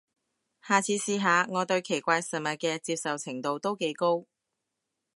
下次試下，我對奇怪食物嘅接受程度都幾高